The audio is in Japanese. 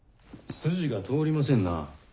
筋が通りませんな。